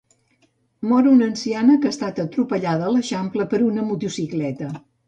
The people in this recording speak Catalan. Mor una anciana que ha estat atropellada a l'Eixample per una motocicleta.